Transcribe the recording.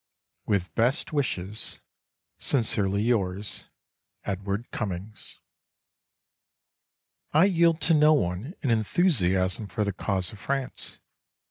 With best wishes, Sincerely yours, EDWARD CUMMINGS I yield to no one in enthusiasm for the cause of France.